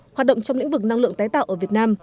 hoạt động trong lĩnh vực năng lượng tái tạo ở việt nam